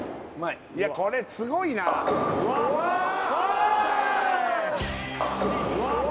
いやこれすごいなあーっ！